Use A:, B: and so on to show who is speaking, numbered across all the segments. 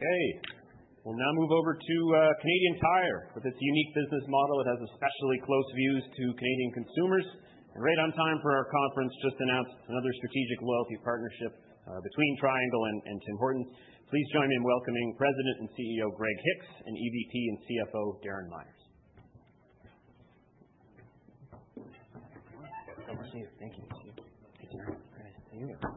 A: Okay. We'll now move over to Canadian Tire, with its unique business model. It has especially close views to Canadian consumers, and right on time for our conference, just announced another strategic loyalty partnership between Triangle and Tim Hortons. Please join me in welcoming President and CEO Greg Hicks and EVP and CFO Darren Myers.
B: Thank you.
C: Thank you.
A: Good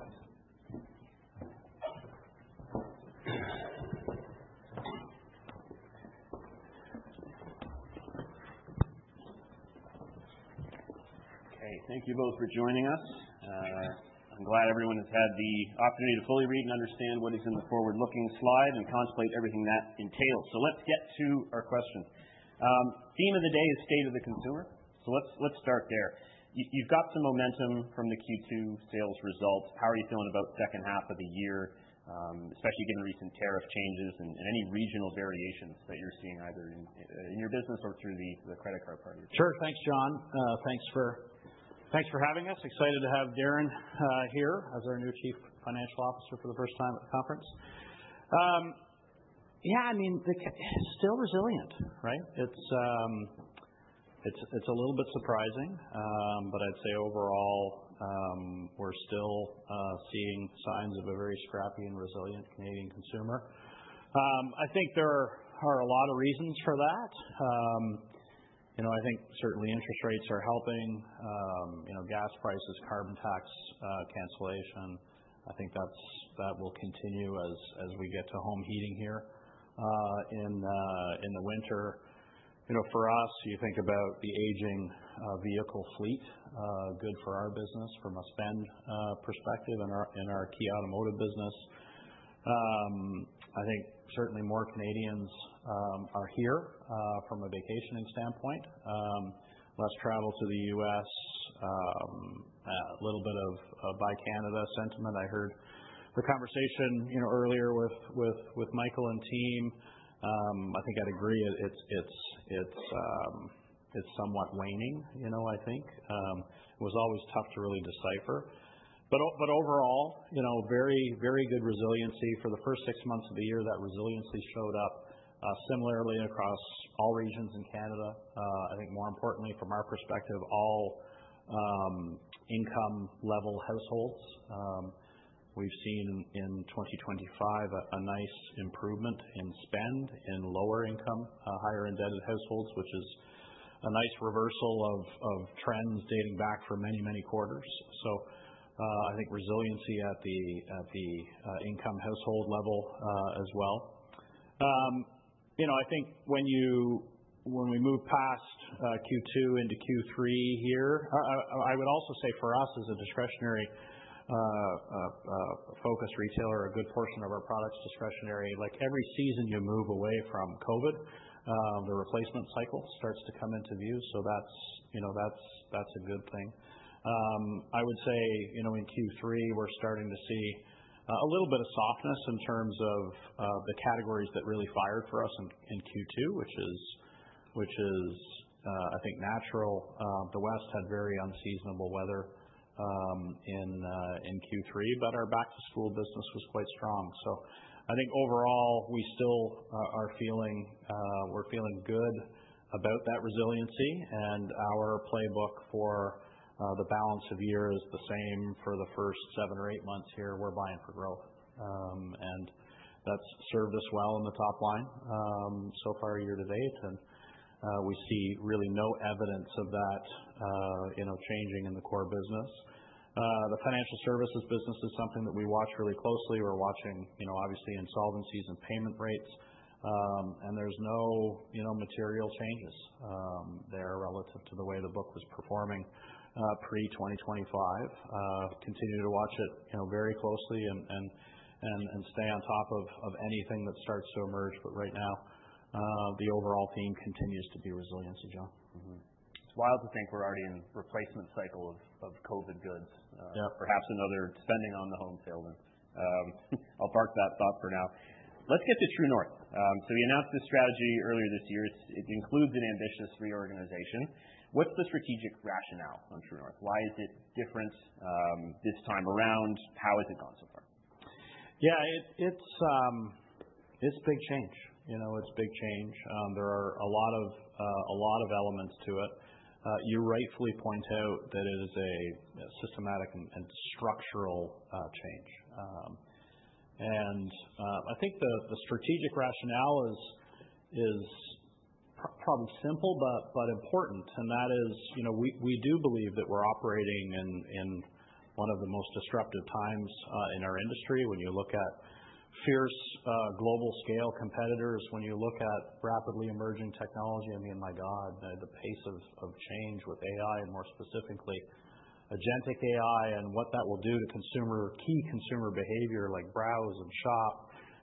A: to hear it.
C: Very nice.
B: Thank you.
C: Thank you.
A: Okay. Thank you both for joining us. I'm glad everyone has had the opportunity to fully read and understand what is in the forward-looking slide and contemplate everything that entails. So let's get to our questions. Theme of the day is state of the consumer. So let's start there. You've got some momentum from the Q2 sales results. How are you feeling about second half of the year, especially given recent tariff changes and any regional variations that you're seeing either in your business or through the credit card data?
B: Sure. Thanks, John. Thanks for having us. Excited to have Darren here as our new Chief Financial Officer for the first time at the conference. Yeah. I mean, still resilient, right? It's a little bit surprising, but I'd say overall, we're still seeing signs of a very scrappy and resilient Canadian consumer. I think there are a lot of reasons for that. I think certainly interest rates are helping, gas prices, carbon tax cancellation. I think that will continue as we get to home heating here in the winter. For us, you think about the aging vehicle fleet. Good for our business from a spend perspective and our key automotive business. I think certainly more Canadians are here from a vacationing standpoint. Less travel to the U.S., a little bit of Buy Canadian sentiment. I heard the conversation earlier with Michael and team. I think I'd agree it's somewhat waning, I think. It was always tough to really decipher. But overall, very good resiliency. For the first six months of the year, that resiliency showed up similarly across all regions in Canada. I think more importantly, from our perspective, all income-level households. We've seen in 2025 a nice improvement in spend in lower-income, higher-indebted households, which is a nice reversal of trends dating back for many, many quarters. So I think resiliency at the income household level as well. I think when we move past Q2 into Q3 here, I would also say for us as a discretionary focus retailer, a good portion of our products discretionary, like every season you move away from COVID, the replacement cycle starts to come into view. So that's a good thing. I would say in Q3, we're starting to see a little bit of softness in terms of the categories that really fired for us in Q2, which is, I think, natural. The West had very unseasonable weather in Q3, but our back-to-school business was quite strong, so I think overall, we still are feeling good about that resiliency, and our playbook for the balance of year is the same for the first seven or eight months here. We're buying for growth, and that's served us well in the top line so far year to date, and we see really no evidence of that changing in the core business. The financial services business is something that we watch really closely. We're watching, obviously, insolvencies and payment rates, and there's no material changes there relative to the way the book was performing pre-2025. Continue to watch it very closely and stay on top of anything that starts to emerge. But right now, the overall theme continues to be resiliency, John.
A: It's wild to think we're already in replacement cycle of COVID goods. Perhaps another spending on the home sales. And I'll park that thought for now. Let's get to True North. So you announced this strategy earlier this year. It includes an ambitious reorganization. What's the strategic rationale on True North? Why is it different this time around? How has it gone so far?
B: Yeah. It's big change. It's big change. There are a lot of elements to it. You rightfully point out that it is a systematic and structural change. And I think the strategic rationale is probably simple but important. And that is we do believe that we're operating in one of the most disruptive times in our industry. When you look at fierce global scale competitors, when you look at rapidly emerging technology, I mean, my God, the pace of change with AI, more specifically agentic AI, and what that will do to key consumer behavior like browse and shop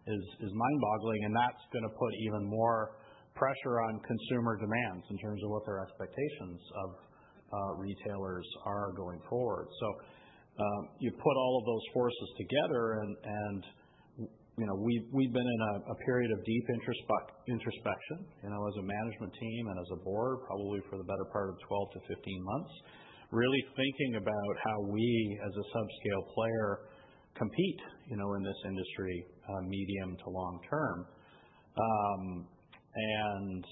B: is mind-boggling. And that's going to put even more pressure on consumer demands in terms of what their expectations of retailers are going forward. So you put all of those forces together. And we've been in a period of deep introspection as a management team and as a board, probably for the better part of 12 months-15 months, really thinking about how we as a subscale player compete in this industry medium to long term. And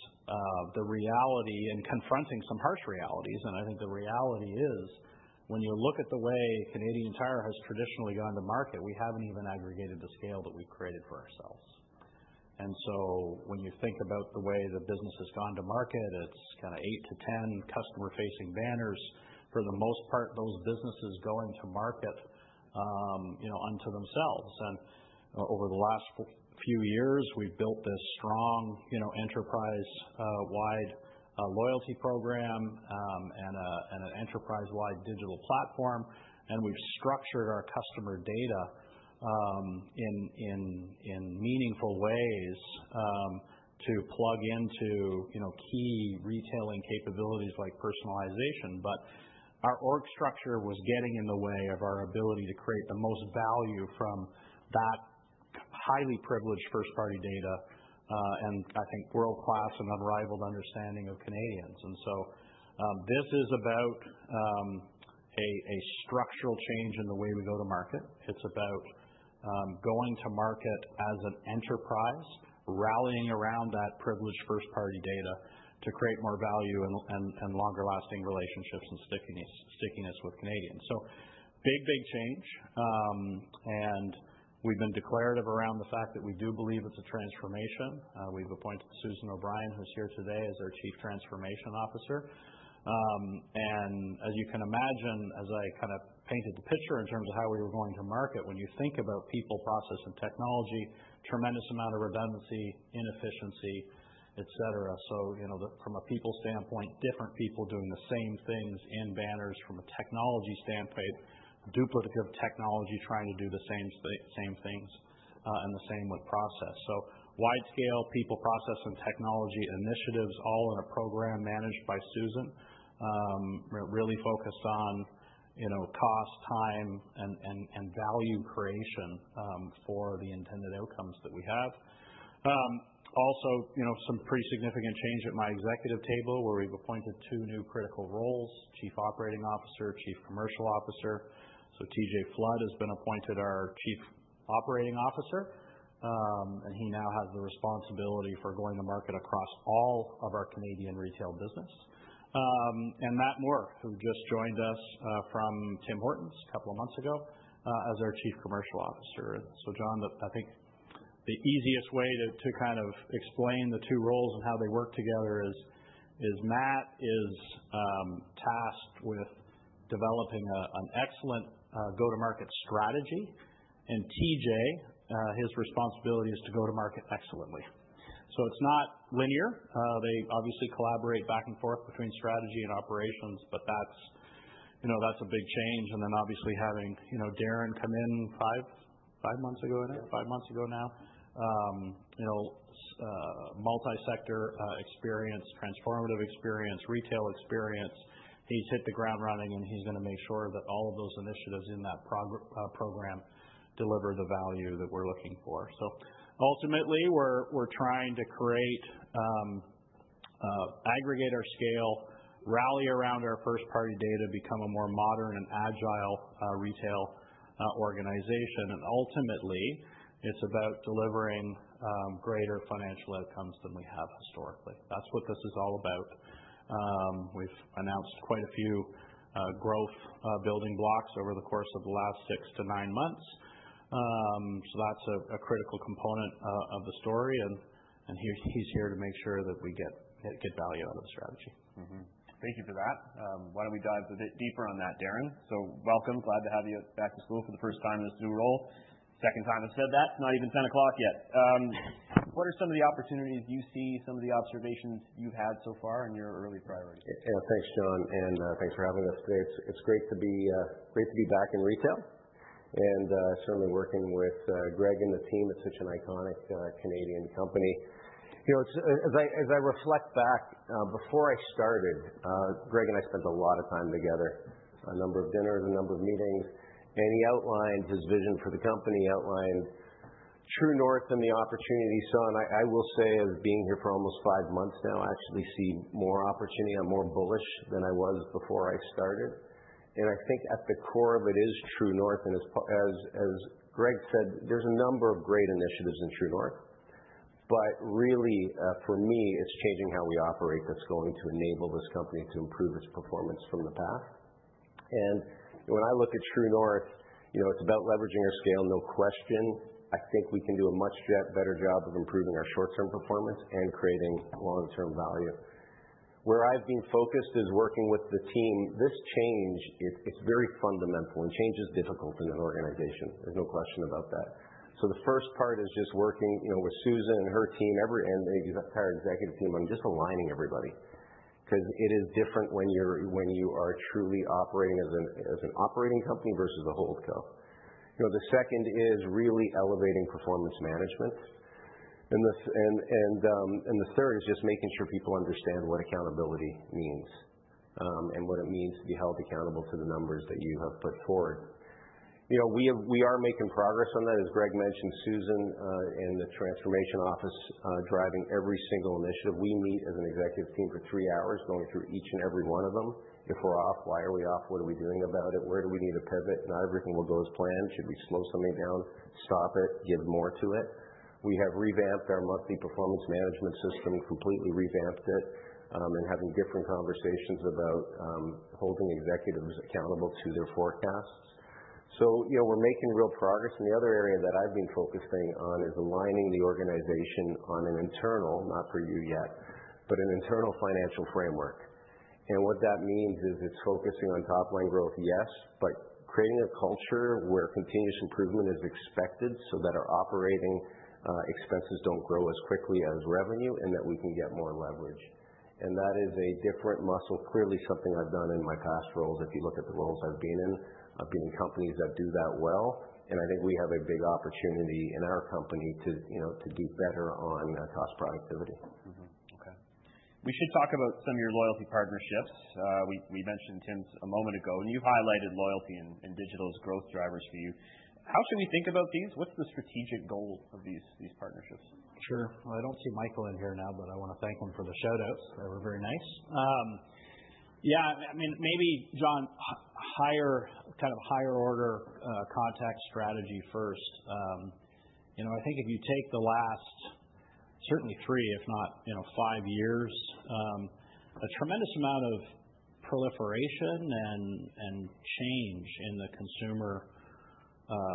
B: the reality and confronting some harsh realities. And I think the reality is when you look at the way Canadian Tire has traditionally gone to market, we haven't even aggregated the scale that we've created for ourselves. And so when you think about the way the business has gone to market, it's kind of 8 customer-10 customer-facing banners for the most part, those businesses going to market unto themselves. And over the last few years, we've built this strong enterprise-wide loyalty program and an enterprise-wide digital platform. And we've structured our customer data in meaningful ways to plug into key retailing capabilities like personalization. But our org structure was getting in the way of our ability to create the most value from that highly privileged first-party data and, I think, world-class and unrivaled understanding of Canadians. And so this is about a structural change in the way we go to market. It's about going to market as an enterprise, rallying around that privileged first-party data to create more value and longer-lasting relationships and stickiness with Canadians. So big, big change. And we've been declarative around the fact that we do believe it's a transformation. We've appointed Susan O'Brien, who's here today as our Chief Transformation Officer. And as you can imagine, as I kind of painted the picture in terms of how we were going to market, when you think about people, process, and technology, tremendous amount of redundancy, inefficiency, etc. So from a people standpoint, different people doing the same things in banners from a technology standpoint, duplicative technology trying to do the same things and the same with process. So wide-scale people, process, and technology initiatives all in a program managed by Susan, really focused on cost, time, and value creation for the intended outcomes that we have. Also, some pretty significant change at my executive table where we've appointed two new critical roles: Chief Operating Officer, Chief Commercial Officer. So TJ Flood has been appointed our Chief Operating Officer. And he now has the responsibility for going to market across all of our Canadian retail business. And Matt Moore, who just joined us from Tim Hortons a couple of months ago as our Chief Commercial Officer. John, I think the easiest way to kind of explain the two roles and how they work together is Matt is tasked with developing an excellent go-to-market strategy. And TJ, his responsibility is to go to market excellently. So it's not linear. They obviously collaborate back and forth between strategy and operations, but that's a big change. And then obviously having Darren come in five months ago now, multisector experience, transformative experience, retail experience, he's hit the ground running. And he's going to make sure that all of those initiatives in that program deliver the value that we're looking for. So ultimately, we're trying to create, aggregate our scale, rally around our first-party data, become a more modern and agile retail organization. And ultimately, it's about delivering greater financial outcomes than we have historically. That's what this is all about. We've announced quite a few growth-building blocks over the course of the last six months-nine months. So that's a critical component of the story. And he's here to make sure that we get value out of the strategy.
A: Thank you for that. Why don't we dive a bit deeper on that, Darren? So welcome. Glad to have you back to school for the first time in this new role. Second time I've said that. It's not even 10 o'clock yet. What are some of the opportunities you see, some of the observations you've had so far in your early priorities?
C: Thanks, John, and thanks for having us today. It's great to be back in retail and certainly working with Greg and the team. It's such an iconic Canadian company. As I reflect back, before I started, Greg and I spent a lot of time together, a number of dinners, a number of meetings, and he outlined his vision for the company, outlined True North and the opportunity he saw, and I will say as being here for almost five months now, I actually see more opportunity. I'm more bullish than I was before I started. I think at the core of it is True North, and as Greg said, there's a number of great initiatives in True North, but really, for me, it's changing how we operate that's going to enable this company to improve its performance from the past. When I look at True North, it's about leveraging our scale, no question. I think we can do a much better job of improving our short-term performance and creating long-term value. Where I've been focused is working with the team. This change, it's very fundamental. Change is difficult in an organization. There's no question about that. The first part is just working with Susan and her team and the entire executive team on just aligning everybody because it is different when you are truly operating as an operating company versus a wholesale. The second is really elevating performance management. The third is just making sure people understand what accountability means and what it means to be held accountable to the numbers that you have put forward. We are making progress on that. As Greg mentioned, Susan and the transformation office driving every single initiative. We meet as an executive team for three hours going through each and every one of them. If we're off, why are we off? What are we doing about it? Where do we need to pivot? Not everything will go as planned. Should we slow something down, stop it, give more to it? We have revamped our monthly performance management system, completely revamped it, and having different conversations about holding executives accountable to their forecasts, so we're making real progress, and the other area that I've been focusing on is aligning the organization on an internal, not for you yet, but an internal financial framework, and what that means is it's focusing on top-line growth, yes, but creating a culture where continuous improvement is expected so that our operating expenses don't grow as quickly as revenue and that we can get more leverage. That is a different muscle, clearly something I've done in my past roles. If you look at the roles I've been in, I've been in companies that do that well. I think we have a big opportunity in our company to do better on cost productivity.
A: Okay. We should talk about some of your loyalty partnerships. We mentioned Tims a moment ago, and you've highlighted loyalty and digital as growth drivers for you. How should we think about these? What's the strategic goal of these partnerships?
B: Sure. Well, I don't see Michael in here now, but I want to thank him for the shout-outs. They were very nice. Yeah. I mean, maybe, John, kind of higher-order contact strategy first. I think if you take the last certainly three, if not five years, a tremendous amount of proliferation and change in the consumer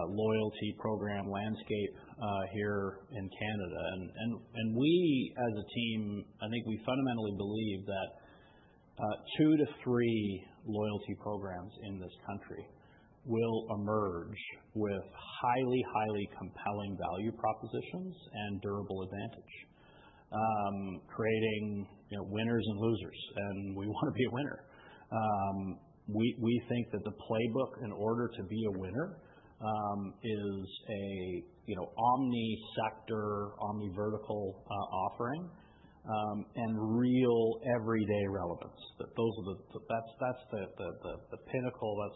B: loyalty program landscape here in Canada. And we, as a team, I think we fundamentally believe that two to three loyalty programs in this country will emerge with highly, highly compelling value propositions and durable advantage, creating winners and losers. And we want to be a winner. We think that the playbook, in order to be a winner, is an omni-sector, omni-vertical offering and real everyday relevance. That's the pinnacle.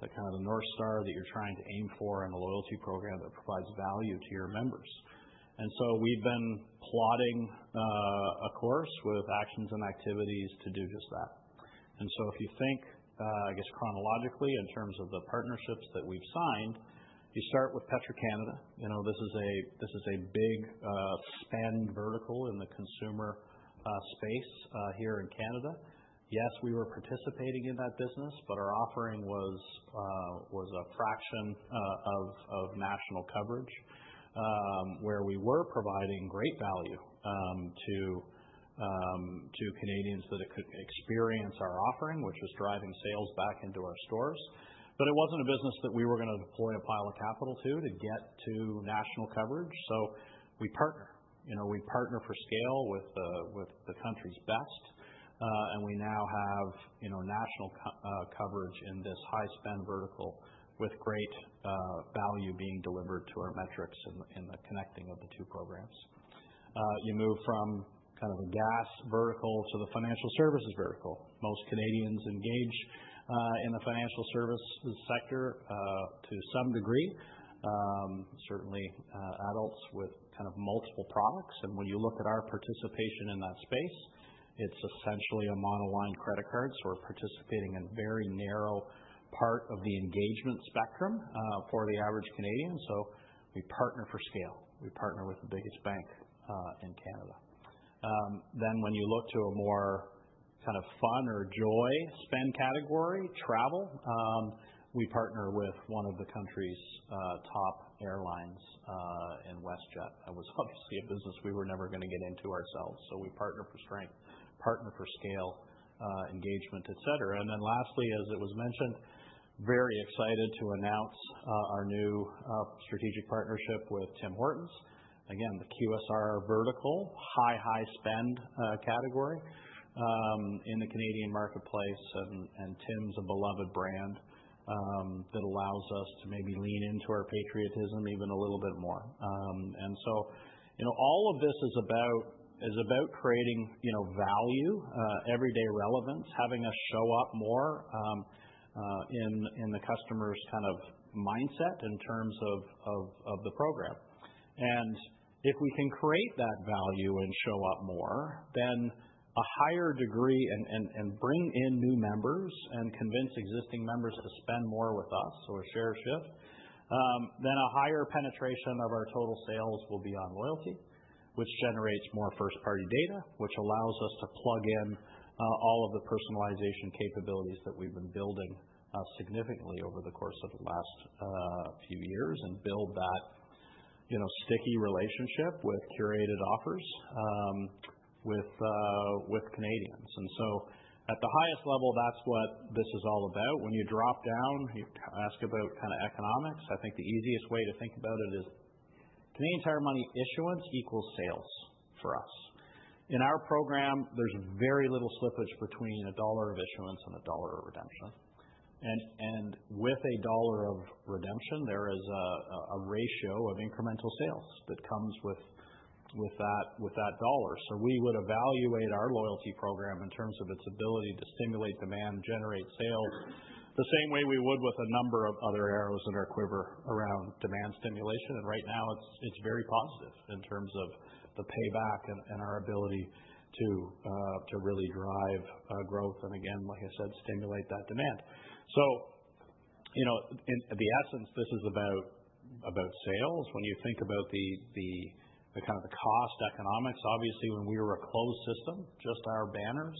B: That's kind of the North Star that you're trying to aim for in a loyalty program that provides value to your members. And so we've been plotting a course with actions and activities to do just that. And so if you think, I guess, chronologically in terms of the partnerships that we've signed, you start with Petro-Canada. This is a big spend vertical in the consumer space here in Canada. Yes, we were participating in that business, but our offering was a fraction of national coverage where we were providing great value to Canadians that could experience our offering, which was driving sales back into our stores. But it wasn't a business that we were going to deploy a pile of capital to get to national coverage. So we partner. We partner for scale with the country's best. And we now have national coverage in this high-spend vertical with great value being delivered to our metrics in the connecting of the two programs. You move from kind of a gas vertical to the financial services vertical. Most Canadians engage in the financial services sector to some degree. Certainly adults with kind of multiple products, and when you look at our participation in that space, it's essentially a monoline credit card, so we're participating in a very narrow part of the engagement spectrum for the average Canadian, so we partner for scale. We partner with the biggest bank in Canada, then when you look to a more kind of fun or joy spend category, travel, we partner with one of the country's top airlines and WestJet. That was obviously a business we were never going to get into ourselves, so we partner for strength, partner for scale, engagement, etc., and then lastly, as it was mentioned, very excited to announce our new strategic partnership with Tim Hortons. Again, the QSR vertical, high, high-spend category in the Canadian marketplace, and Tims a beloved brand that allows us to maybe lean into our patriotism even a little bit more, and so all of this is about creating value, everyday relevance, having us show up more in the customer's kind of mindset in terms of the program, and if we can create that value and show up more, then a higher degree and bring in new members and convince existing members to spend more with us or share a shift, then a higher penetration of our total sales will be on loyalty, which generates more first-party data, which allows us to plug in all of the personalization capabilities that we've been building significantly over the course of the last few years and build that sticky relationship with curated offers with Canadians. And so at the highest level, that's what this is all about. When you drop down, you ask about kind of economics, I think the easiest way to think about it is Canadian Tire Money issuance equals sales for us. In our program, there's very little slippage between a dollar of issuance and a dollar of redemption. And with a dollar of redemption, there is a ratio of incremental sales that comes with that dollar. So we would evaluate our loyalty program in terms of its ability to stimulate demand, generate sales the same way we would with a number of other arrows in our quiver around demand stimulation. And right now, it's very positive in terms of the payback and our ability to really drive growth and, again, like I said, stimulate that demand. So in the essence, this is about sales. When you think about kind of the cost economics, obviously, when we were a closed system, just our banners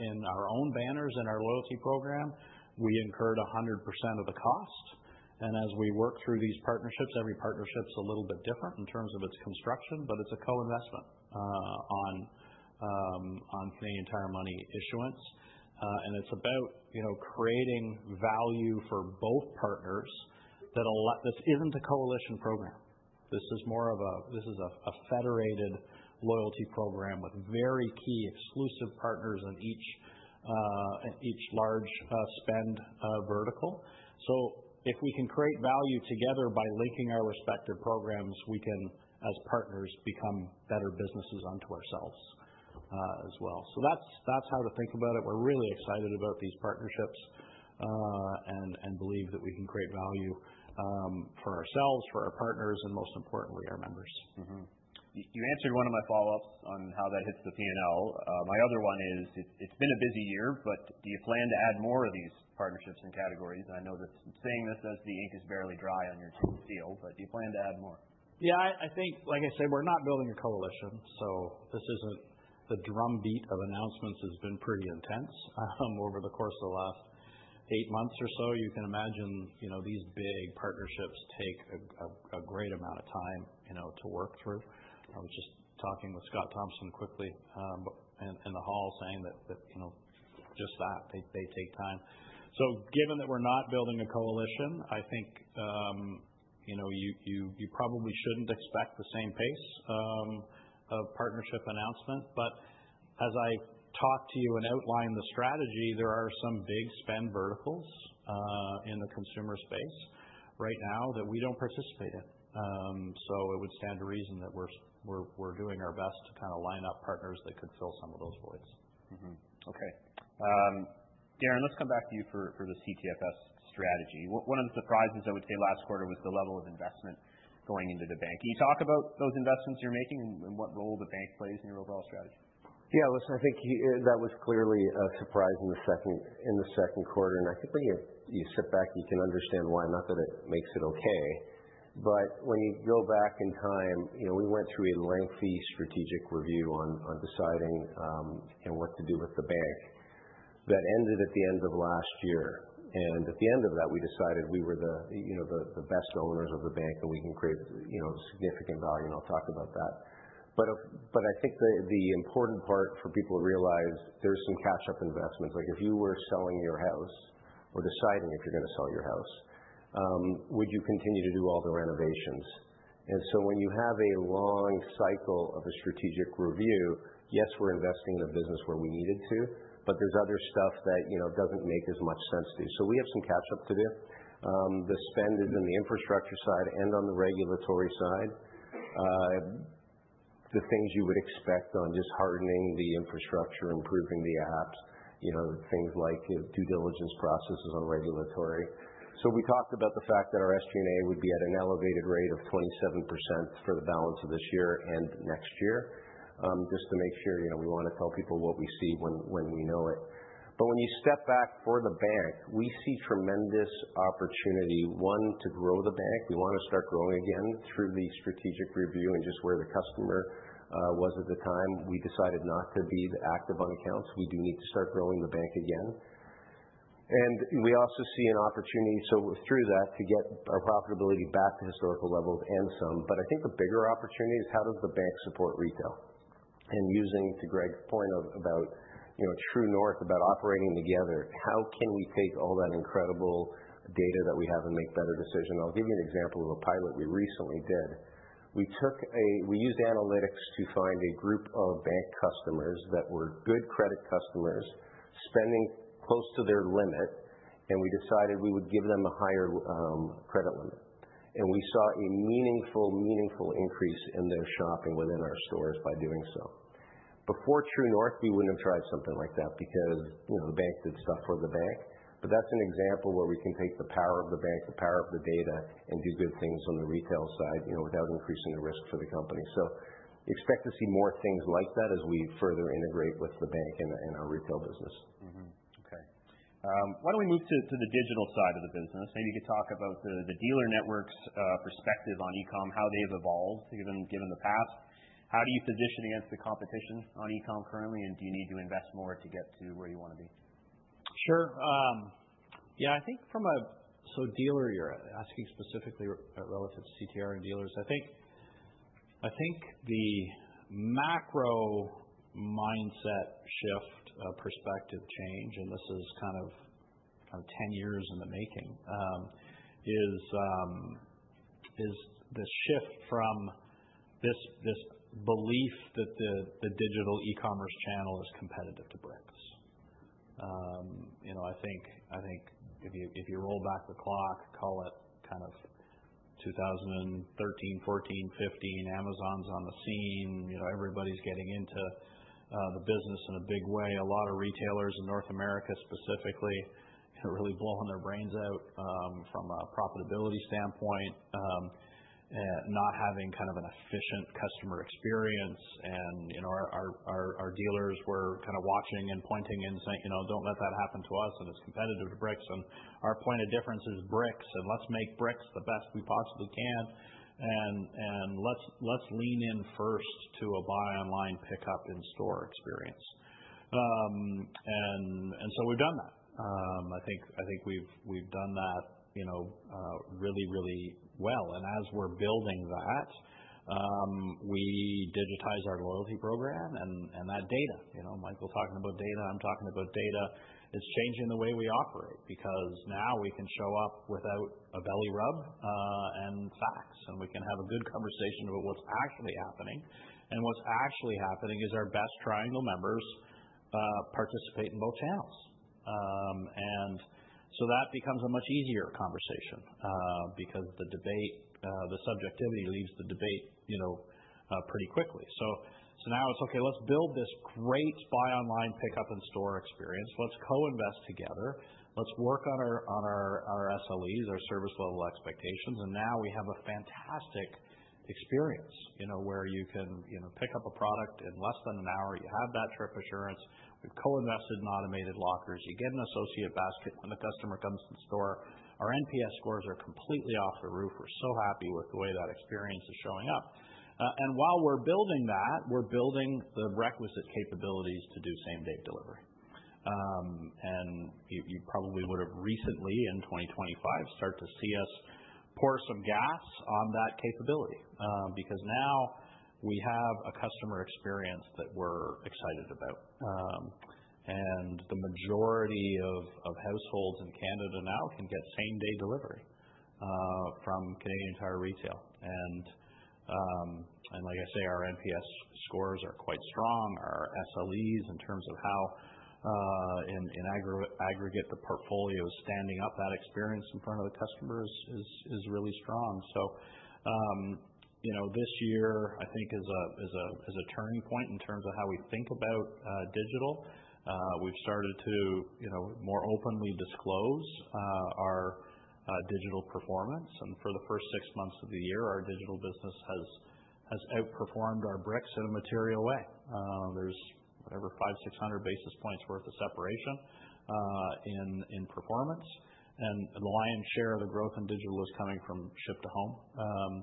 B: and our own banners and our loyalty program, we incurred 100% of the cost. And as we work through these partnerships, every partnership's a little bit different in terms of its construction, but it's a co-investment on Canadian Tire Money issuance. And it's about creating value for both partners. This isn't a coalition program. This is more of a federated loyalty program with very key exclusive partners in each large spend vertical. So if we can create value together by linking our respective programs, we can, as partners, become better businesses unto ourselves as well. So that's how to think about it. We're really excited about these partnerships and believe that we can create value for ourselves, for our partners, and most importantly, our members.
A: You answered one of my follow-ups on how that hits the P&L. My other one is it's been a busy year, but do you plan to add more of these partnerships and categories? And I know that saying this as the ink is barely dry on your deal, but do you plan to add more?
B: Yeah. I think, like I said, we're not building a coalition. So this isn't the drumbeat of announcements has been pretty intense over the course of the last eight months or so. You can imagine these big partnerships take a great amount of time to work through. I was just talking with Scott Thomson quickly in the hall saying that just that, they take time. So given that we're not building a coalition, I think you probably shouldn't expect the same pace of partnership announcement. But as I talk to you and outline the strategy, there are some big spend verticals in the consumer space right now that we don't participate in. So it would stand to reason that we're doing our best to kind of line up partners that could fill some of those voids.
A: Okay. Darren, let's come back to you for the CTFS strategy. One of the surprises, I would say, last quarter was the level of investment going into the bank. Can you talk about those investments you're making and what role the bank plays in your overall strategy?
C: Yeah. Listen, I think that was clearly a surprise in the second quarter, and I think when you sit back, you can understand why, not that it makes it okay, but when you go back in time, we went through a lengthy strategic review on deciding what to do with the bank that ended at the end of last year, and at the end of that, we decided we were the best owners of the bank and we can create significant value, and I'll talk about that, but I think the important part for people to realize there's some catch-up investments. Like if you were selling your house or deciding if you're going to sell your house, would you continue to do all the renovations? And so when you have a long cycle of a strategic review, yes, we're investing in a business where we needed to, but there's other stuff that doesn't make as much sense to do. So we have some catch-up to do. The spend is in the infrastructure side and on the regulatory side, the things you would expect on just hardening the infrastructure, improving the apps, things like due diligence processes on regulatory. So we talked about the fact that our SG&A would be at an elevated rate of 27% for the balance of this year and next year just to make sure we want to tell people what we see when we know it. But when you step back for the bank, we see tremendous opportunity, one, to grow the bank. We want to start growing again through the strategic review and just where the customer was at the time. We decided not to be active on accounts. We do need to start growing the bank again. And we also see an opportunity through that to get our profitability back to historical levels and some. But I think the bigger opportunity is how does the bank support retail? And using to Greg's point about True North, about operating together, how can we take all that incredible data that we have and make better decisions? I'll give you an example of a pilot we recently did. We used analytics to find a group of bank customers that were good credit customers spending close to their limit, and we decided we would give them a higher credit limit. We saw a meaningful, meaningful increase in their shopping within our stores by doing so. Before True North, we wouldn't have tried something like that because the bank did stuff for the bank. That's an example where we can take the power of the bank, the power of the data, and do good things on the retail side without increasing the risk for the company. Expect to see more things like that as we further integrate with the bank and our retail business.
A: Okay. Why don't we move to the digital side of the business? Maybe you could talk about the dealer network's perspective on e-comm, how they've evolved given the past. How do you position against the competition on e-comm currently, and do you need to invest more to get to where you want to be?
B: Sure. Yeah. I think from a dealer, you're asking specifically relative to CTR and dealers. I think the macro mindset shift, perspective change, and this is kind of 10 years in the making, is the shift from this belief that the digital e-commerce channel is competitive to bricks. I think if you roll back the clock, call it kind of 2013, 2014, 2015, Amazon's on the scene. Everybody's getting into the business in a big way. A lot of retailers in North America specifically are really blowing their brains out from a profitability standpoint, not having kind of an efficient customer experience. And our dealers were kind of watching and pointing and saying, "Don't let that happen to us, and it's competitive to bricks. And our point of difference is bricks, and let's make bricks the best we possibly can. “And let's lean in first to a buy-online pickup in store experience.” And so we've done that. I think we've done that really, really well. And as we're building that, we digitize our loyalty program and that data. Michael talking about data, I'm talking about data. It's changing the way we operate because now we can show up without a belly rub and facts, and we can have a good conversation about what's actually happening. And what's actually happening is our best Triangle members participate in both channels. And so that becomes a much easier conversation because the debate, the subjectivity leaves the debate pretty quickly. So now it's, “Okay, let's build this great buy-online pickup in store experience. Let's co-invest together. Let's work on our SLEs, our service level expectations.” And now we have a fantastic experience where you can pick up a product in less than an hour. You have that trip assurance. We've co-invested in automated lockers. You get an associate basket when the customer comes to the store. Our NPS scores are completely off the roof. We're so happy with the way that experience is showing up, and while we're building that, we're building the requisite capabilities to do same-day delivery. And you probably would have recently, in 2025, start to see us pour some gas on that capability because now we have a customer experience that we're excited about, and the majority of households in Canada now can get same-day delivery from Canadian Tire Retail. And like I say, our NPS scores are quite strong. Our SLEs in terms of how in aggregate the portfolio is standing up that experience in front of the customer is really strong, so this year, I think, is a turning point in terms of how we think about digital. We've started to more openly disclose our digital performance. For the first six months of the year, our digital business has outperformed our bricks in a material way. There's whatever, 5,600 basis points worth of separation in performance. The lion's share of the growth in digital is coming from Ship-to-Home.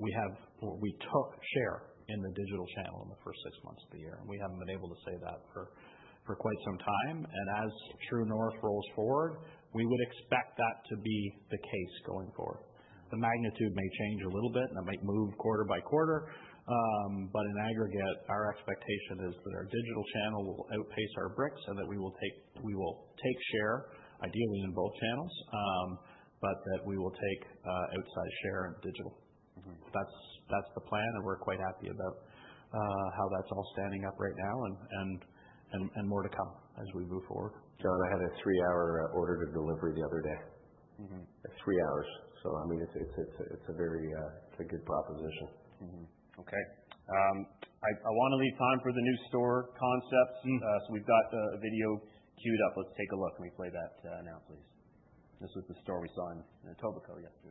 B: We have or we took share in the digital channel in the first six months of the year. We haven't been able to say that for quite some time. As True North rolls forward, we would expect that to be the case going forward. The magnitude may change a little bit, and it might move quarter-by-quarter. In aggregate, our expectation is that our digital channel will outpace our bricks and that we will take share, ideally in both channels, but that we will take outside share in digital. That's the plan, and we're quite happy about how that's all standing up right now and more to come as we move forward.
C: John, I had a three-hour order to delivery the other day. Three hours. So I mean, it's a very good proposition.
A: Okay. I want to leave time for the new store concepts. So we've got a video queued up. Let's take a look. Can we play that now, please? This was the store we saw in Etobicoke yesterday.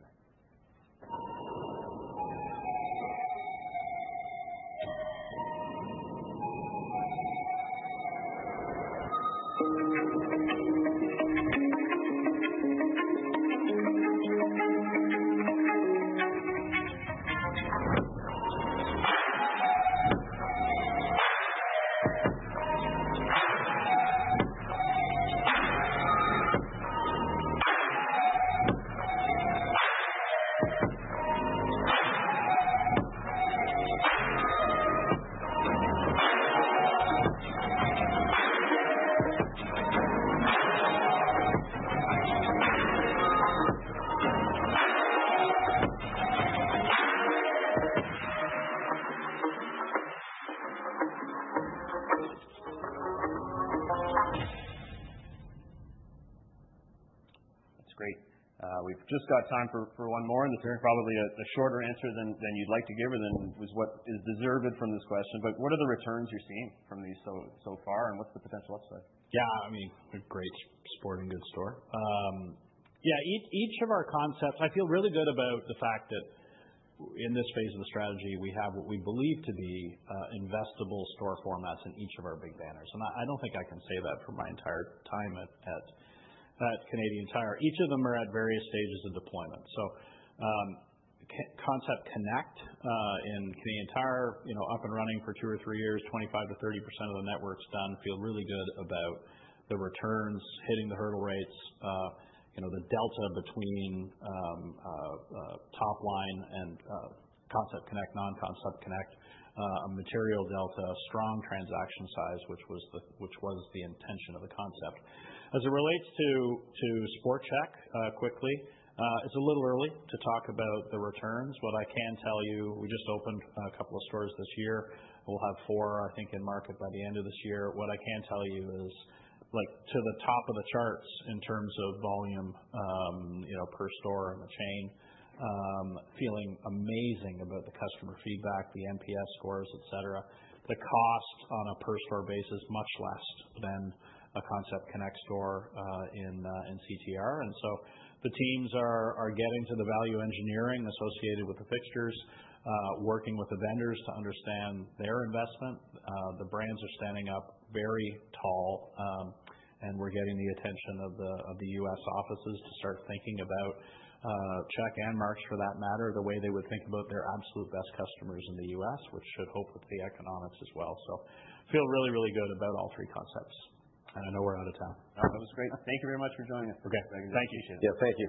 A: That's great. We've just got time for one more. And this is probably a shorter answer than you'd like to give or than is deserved from this question. But what are the returns you're seeing from these so far, and what's the potential upside?
B: Yeah. I mean, great sporting goods store. Yeah. Each of our concepts, I feel really good about the fact that in this phase of the strategy, we have what we believe to be investable store formats in each of our big banners. And I don't think I can say that for my entire time at Canadian Tire. Each of them are at various stages of deployment. So Concept Connect in Canadian Tire, up and running for two or three years, 25%-30% of the network's done. Feel really good about the returns, hitting the hurdle rates, the delta between top line and Concept Connect, non-Concept Connect, a material delta, strong transaction size, which was the intention of the concept. As it relates to Sport Chek quickly, it's a little early to talk about the returns. What I can tell you, we just opened a couple of stores this year. We'll have four, I think, in market by the end of this year. What I can tell you is to the top of the charts in terms of volume per store in the chain, feeling amazing about the customer feedback, the NPS scores, et cetera. The cost on a per store base is much less than a Concept Connect store in CTR. And so the teams are getting to the value engineering associated with the fixtures, working with the vendors to understand their investment. The brands are standing up very tall, and we're getting the attention of the U.S. offices to start thinking about Chek and Mark's for that matter, the way they would think about their absolute best customers in the U.S., which should help with the economics as well. So feel really, really good about all three concepts. And I know we're out of town.
A: All right. That was great. Thank you very much for joining us.
C: Okay. Thank you, John.
A: Yeah. Thank you.